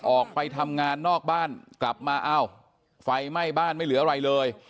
ออกไปทำงานนอกบ้านกลับมาเอ้าไฟไหม้บ้านไม่เหลืออะไรเลย